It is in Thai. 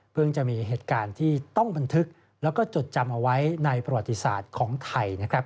เพิ่งจะมีเหตุการณ์ที่ต้องบันทึกและจดจำเอาไว้ในประวัติศาสตร์ของไทย